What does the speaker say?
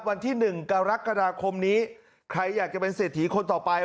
วันที่๑กรกฎาคมนี้ใครอยากจะเป็นเศรษฐีคนต่อไป